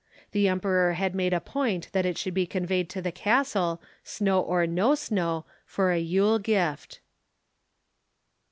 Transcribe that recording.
The Emperor had made a point that it should be conveyed to the castle, snow or no snow, for a yule gift.